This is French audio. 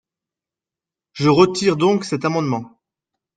Je retire donc cet amendement.